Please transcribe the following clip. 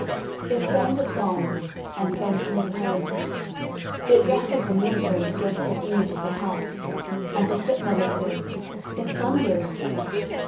It sang the song and then flew home. It rattled the millstone against the eaves of the house, and the stepmother said: "It thunders."